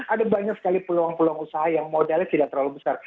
ada banyak sekali peluang peluang usaha yang modalnya tidak terlalu besar